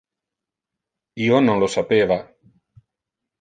Io non lo sapeva.